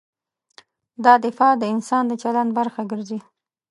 دا دفاع د انسان د چلند برخه ګرځي.